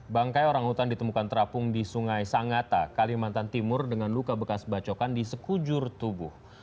bangkai orang hutan ditemukan terapung di sungai sangata kalimantan timur dengan luka bekas bacokan di sekujur tubuh